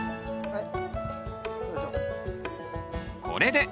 はい。